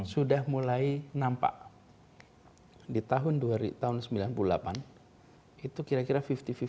sudah mulai nampak di tahun sembilan puluh delapan itu kira kira lima puluh lima puluh